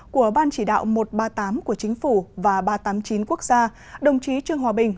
của ban chỉ đạo một trăm ba mươi tám của chính phủ và ba trăm tám mươi chín quốc gia đồng chí trương hòa bình